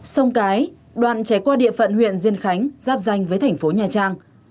sông cái đoạn chảy qua địa phận huyện diên khánh giáp danh với thành phố nha trang